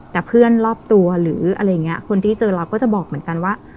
แต่เพื่อนรอบตัวหรืออะไรอย่างนี้คนที่เจอเราก็จะบอกเหมือนกันว่า